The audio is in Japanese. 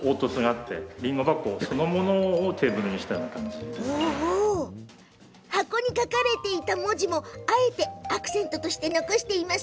すごい！箱に書かれていた文字もアクセントとして残しています。